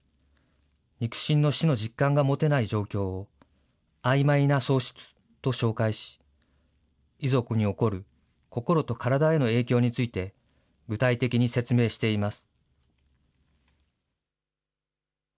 肉親の死の実感が持てない状況を、あいまいな喪失と紹介し、遺族に起こる心と体への影響について、具体的に説明しています。